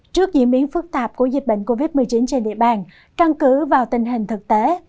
trước diễn biến phức tạp của dịch bệnh covid một mươi chín trên địa bàn căn cứ vào tình hình thực tế